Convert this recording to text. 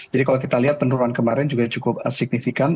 jadi kalau kita lihat penurunan kemarin juga cukup signifikan